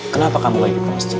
kenapa kamu lagi di posting